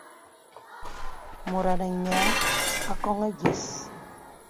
Mùt anə nyìa àkoŋɔ̄ yə̀s.